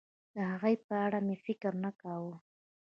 د هغې په اړه مې فکر نه کاوه.